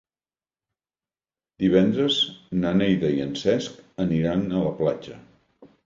Divendres na Neida i en Cesc aniran a la platja.